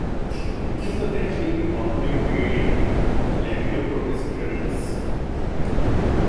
It is a naturally occurring variant of "Labidochromis caeruleus".